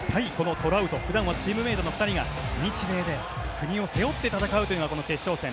トラウト普段はチームメートの２人が日米で国を背負って戦うというのがこの決勝戦。